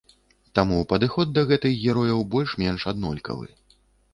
Таму падыход да гэтых герояў больш-менш аднолькавы.